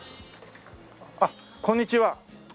あっこんにちは。